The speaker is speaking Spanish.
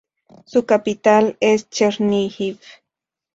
Su capital es Cherníhiv.